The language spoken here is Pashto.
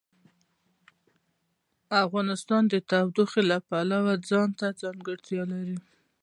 افغانستان د تودوخه د پلوه ځانته ځانګړتیا لري.